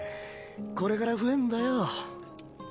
これから増えんだよ。